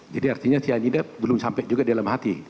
jadi artinya kardasianida belum sampai juga dalam hati